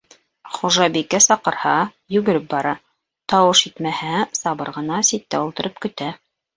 Хужабикә саҡырһа, йүгереп бара; тауыш итмәһә, сабыр ғына ситтә ултырып көтә.